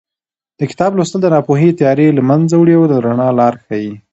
د کتاب لوستل د ناپوهۍ تیارې له منځه وړي او د رڼا لار ښیي.